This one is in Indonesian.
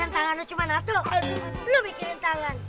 tangan lu cuma satu lu bikinin tangan